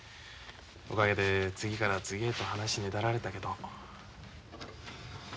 おかげで次から次へと話ねだられたけど。